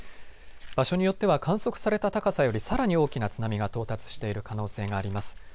場所によっては観測された高さよりさらに大きな津波が到達している可能性があります。